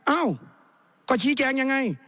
เอ้าก็ชี้แจงยังไง